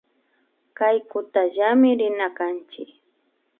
Kaykutallami rina kanchik